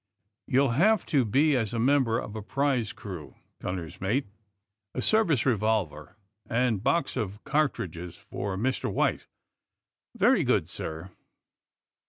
" '^You'll have to be, as a member of a prize crew. Gunner's mate, a service revolver and box of cartridges for Mr. White." Very good, sir."